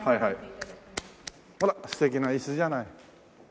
ほら素敵な椅子じゃない。